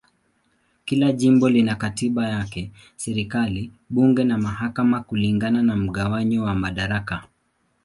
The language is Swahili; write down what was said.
Kila jimbo lina katiba yake, serikali, bunge na mahakama kulingana na mgawanyo wa madaraka.